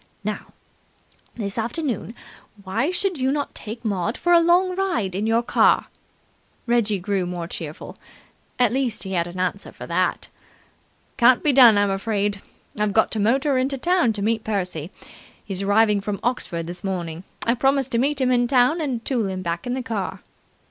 "Now, this afternoon, why should you not take Maud for a long ride in your car?" Reggie grew more cheerful. At least he had an answer for that. "Can't be done, I'm afraid. I've got to motor into town to meet Percy. He's arriving from Oxford this morning. I promised to meet him in town and tool him back in the car."